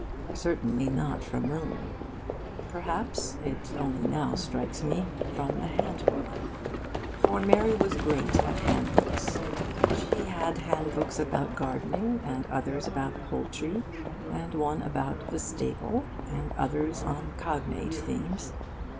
Certainly not from William. Perhaps (it only now strikes me) from a handbook. For Mary was great at handbooks. She had handbooks about gardening, and others about poultry, and one about 'the stable,' and others on cognate themes.